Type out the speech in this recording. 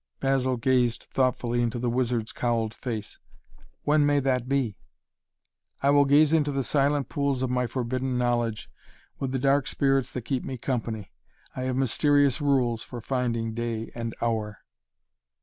Basil gazed thoughtfully into the wizard's cowled face. "When may that be?" "I will gaze into the silent pools of my forbidden knowledge with the dark spirits that keep me company. I have mysterious rules for finding day and hour."